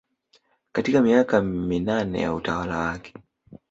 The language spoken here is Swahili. katika miaka minane ya utawala wake